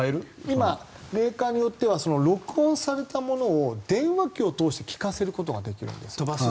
今メーカーによっては録音されたものを電話機を通して聞かせることができるんです。